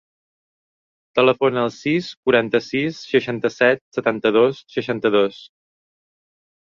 Telefona al sis, quaranta-sis, seixanta-set, setanta-dos, seixanta-dos.